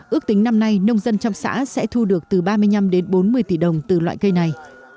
ước tính năm nay nông dân trong xã sẽ thu được từ ba mươi năm đến bốn mươi tỷ đồng từ loại cây này